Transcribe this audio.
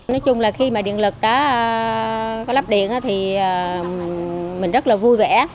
nói chung là khi mà điện lực đã có lắp điện thì mình rất là vui vẻ